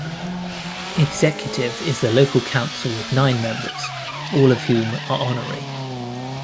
Executive is the local council with nine members, all of whom are honorary.